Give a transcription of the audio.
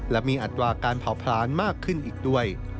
และมีอัตราการเผาผลาญมากขึ้นอีกด้วย